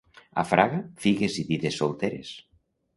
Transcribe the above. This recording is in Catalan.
A Fraga, figues i dides solteres.